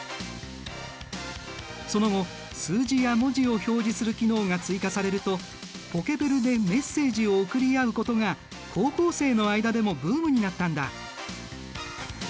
その後数字や文字を表示する機能が追加されるとポケベルでメッセージを送り合うことが高校生の間でもブームになったんだ。